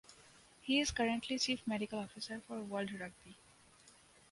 He is currently Chief Medical Officer for World Rugby.